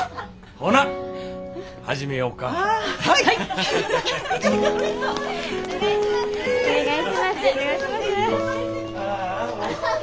お願いします。